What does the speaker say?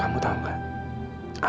aku tadi kena demam